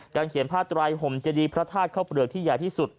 การเขียนพาตรายห่วมเจดีประทาศข้าวเปลือกที่ใหญ่ที่สุด